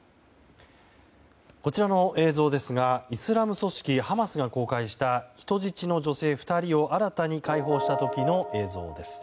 こちらの映像ですがイスラム組織ハマスが公開した人質の女性２人を新たに解放した時の映像です。